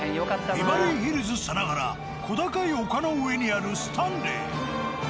ビバリーヒルズさながら小高い丘の上にあるスタンレー。